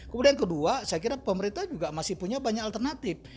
kemudian kedua saya kira pemerintah juga masih punya banyak alternatif